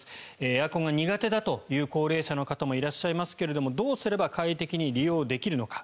エアコンが苦手だという高齢者の方もいらっしゃいますがどうすれば快適に利用できるのか。